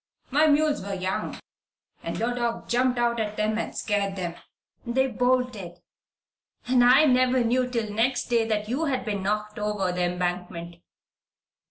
My mules were young, and your dog jumped out at them and scared them. They bolted, and I never knew till next day that you had been knocked over the embankment."